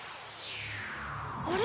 あれ？